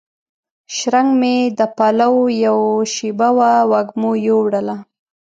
شرنګ مې د پاولو یوه شیبه وه وږمو یووړله